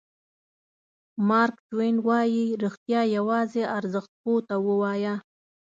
مارک ټواین وایي رښتیا یوازې ارزښت پوه ته ووایه.